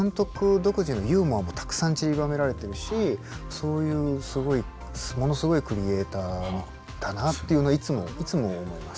独自のユーモアもたくさんちりばめられてるしそういうものすごいクリエーターだなっていうのはいつも思います。